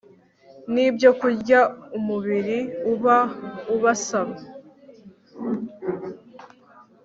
nibyokurya umubiri uba ubasaba